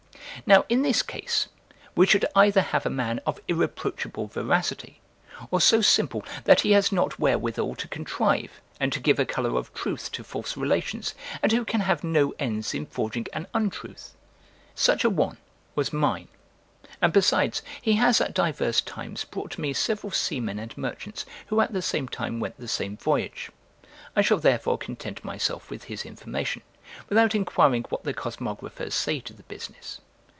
Now in this case, we should either have a man of irreproachable veracity, or so simple that he has not wherewithal to contrive, and to give a colour of truth to false relations, and who can have no ends in forging an untruth. Such a one was mine; and besides, he has at divers times brought to me several seamen and merchants who at the same time went the same voyage. I shall therefore content myself with his information, without inquiring what the cosmographers say to the business.